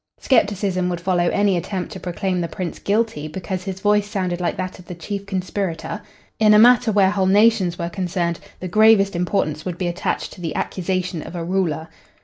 Skepticism would follow any attempt to proclaim the prince guilty because his voice sounded like that of the chief conspirator. In a matter where whole nations were concerned the gravest importance would be attached to the accusation of a ruler.